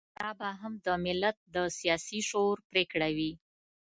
دا به هم د ملت د سياسي شعور پرېکړه وي.